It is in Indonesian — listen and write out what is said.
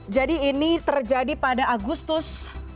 jadi ini terjadi pada agustus dua ribu dua puluh